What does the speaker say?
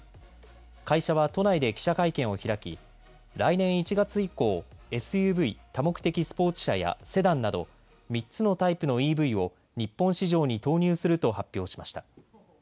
会社は都内で記者会見を開き来年１月以降、ＳＵＶ・多目的スポーツ車やセダンなど３つのタイプのＥＶを日本市場に投入すると発表しました。